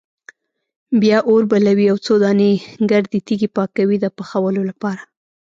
بیا اور بلوي او څو دانې ګردې تیږې پاکوي د پخولو لپاره.